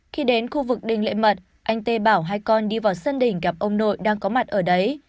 khi đến khu vực đình lệ mật anh tê bảo hai con đi vào sân đình gặp ông nội đang có mặt ở đấy